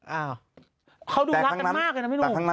อ้าวเขาดูรักกันมากนะพี่หนูแต่ขั้นทั้งนั้น